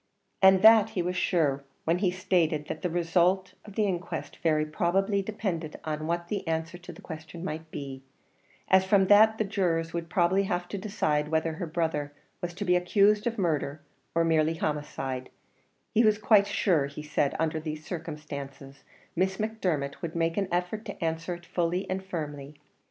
And that he was sure when he stated that the result of the inquest very probably depended on what the answer to the question might be, as from that the jurors would probably have to decide whether her brother was to be accused of murder, or merely homicide, he was quite sure, he said, under these circumstances, Miss Macdermot would make an effort to answer it fully and firmly.